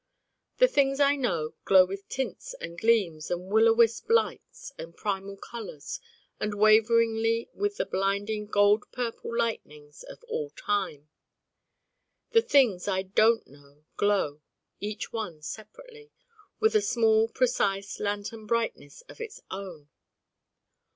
The things I know glow with tints and gleams and will o' wisp lights and primal colors and waveringly with the blinding gold purple lightnings of all Time. The things I Don't Know glow each one separately with a small precise lantern brightness of its own.